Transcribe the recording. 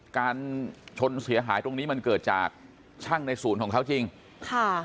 การชนเสียหายตรงนี้มันเกิดจากช่างในศูนย์ของเขาจริงค่ะ